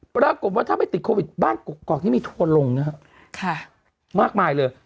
ปรากฎว่าถ้าไม่ติดโควิดบ้านกรกนี่มีทวนลงนะครับมากมายเลย